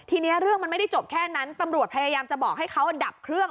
ทีนี้เรื่องมันไม่ได้จบแค่นั้นตำรวจพยายามจะบอกให้เขาดับเครื่อง